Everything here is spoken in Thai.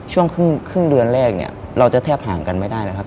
ช่วงครึ่งเดือนแรกเนี่ยเราจะแทบห่างกันไม่ได้นะครับ